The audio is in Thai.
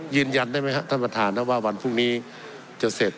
ยืนยันได้ไหมครับท่านประธานนะว่าวันพรุ่งนี้จะเสร็จ